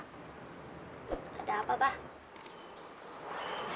ada apa abah